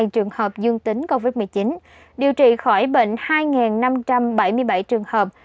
ba hai trăm bảy mươi hai trường hợp dương tính covid một mươi chín điều trị khỏi bệnh hai năm trăm bảy mươi bảy trường hợp